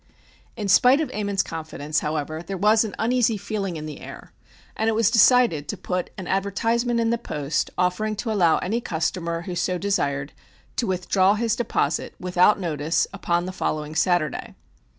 In spite of Ammon's confidence, however, there was an uneasy feeling in the air, and it was decided to put an advertisement in the Post offering to allow any customer who so desired to withdraw his deposit, without notice, upon the following Saturday.